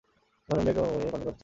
ইভা নাম্নী এক রমণীর পাণিগ্রহণ করেন।